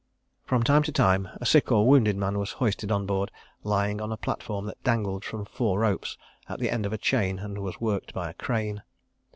... From time to time, a sick or wounded man was hoisted on board, lying on a platform that dangled from four ropes at the end of a chain and was worked by a crane.